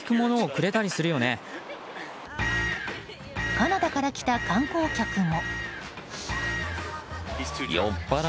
カナダから来た観光客も。